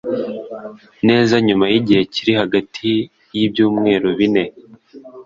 neza nyuma y'igihe kiri hagati y'ibyumwerubine